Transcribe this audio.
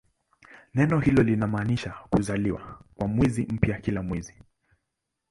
Neno hilo linamaanisha "kuzaliwa" kwa mwezi mpya kila mwezi.